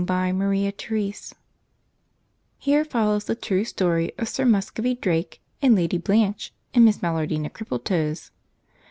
CHAPTER IX Here follows the true story of Sir Muscovy Drake, the Lady Blanche, and Miss Malardina Crippletoes.